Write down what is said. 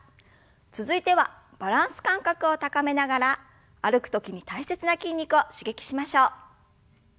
続いてはバランス感覚を高めながら歩く時に大切な筋肉を刺激しましょう。